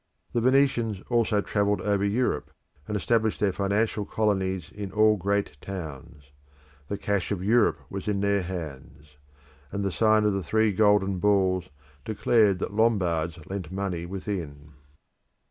The Venetians also travelled over Europe, and established their financial colonies in all great towns. The cash of Europe was in their hands; and the sign of three golden balls declared that Lombards lent money within.